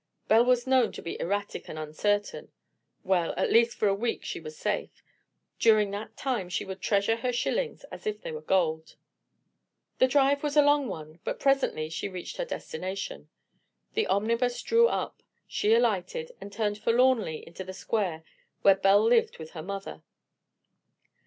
Belle was known to be erratic and uncertain. Well, at least for a week she was safe. During that time she would treasure her shillings as if they were gold. The drive was a long one, but presently she reached her destination. The omnibus drew up, she alighted and turned forlornly into the square where Belle lived with her mother.